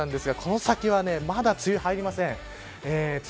西日本ですがこの先はまだ梅雨、入りません。